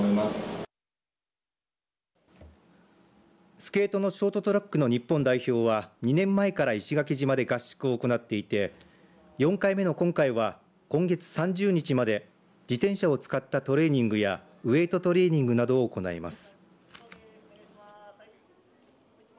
スケートのショートトラックの日本代表は２年前から石垣島で合宿を行っていて４回目の今回は今月３０日まで自転車を使ったトレーニングやウエイトトレーニングなどを行います。